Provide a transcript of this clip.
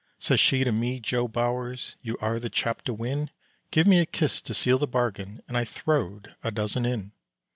Says she to me, "Joe Bowers, You are the chap to win, Give me a kiss to seal the bargain," And I throwed a dozen in.